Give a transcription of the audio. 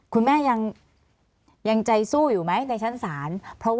คุณแม่ยังใจสู้อยู่ไหมในชั้นศาล